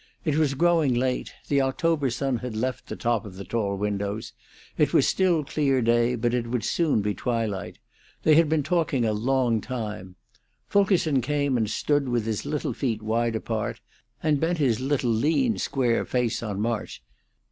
It was growing late; the October sun had left the top of the tall windows; it was still clear day, but it would soon be twilight; they had been talking a long time. Fulkerson came and stood with his little feet wide apart, and bent his little lean, square face on March.